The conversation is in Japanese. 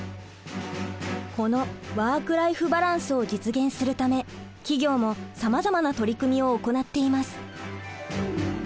この「ワーク・ライフ・バランス」を実現するため企業もさまざまな取り組みを行っています。